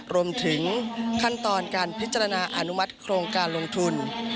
รวมถึงขั้นตอนการพิจารณาอนุมัติโครงการลงทุน